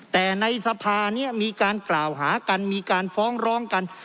แต่ในสภานี้มีการกล่าวหากันมีการฟ้องร้องกัน